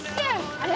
あれ？